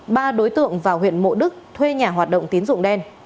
ba đối tượng vào huyện mộ đức thuê nhà hoạt động tín dụng đen